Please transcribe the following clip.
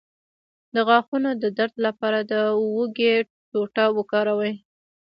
د غاښونو د درد لپاره د هوږې ټوټه وکاروئ